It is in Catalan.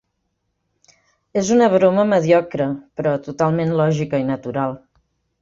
És una broma mediocre, però totalment lògica i natural.